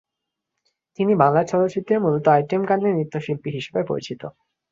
তিনি বাংলা চলচ্চিত্রে মূলত আইটেম গানে নৃত্যশিল্পী হিসাবে পরিচিত।